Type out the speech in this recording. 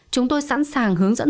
chúng tôi sẵn sàng hướng dẫn